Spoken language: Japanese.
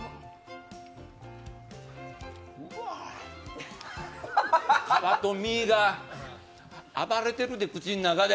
うわぁ、皮と身が暴れてるで、口の中で。